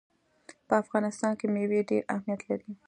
په افغانستان کې مېوې ډېر اهمیت لري.